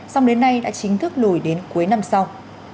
xong đến nay đã chính thức lùi đến cuối năm sau